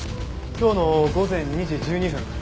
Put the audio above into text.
今日の午前２時１２分